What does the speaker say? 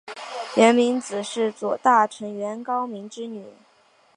源明子是左大臣源高明之女。